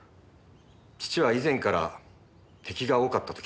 父は以前から敵が多かったと聞きます。